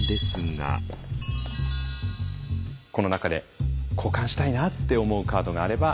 この中で交換したいなって思うカードがあれば。